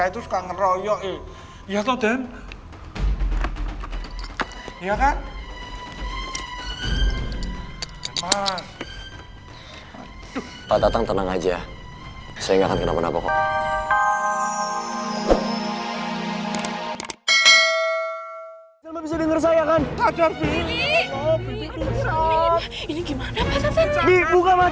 jangan tenang aja saya gak akan kenal kenal kok